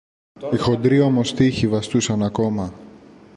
Οι χοντροί όμως τοίχοι βαστούσαν ακόμα.